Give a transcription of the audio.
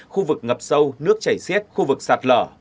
khu vực ngập sâu nước chảy xiết khu vực sạt lở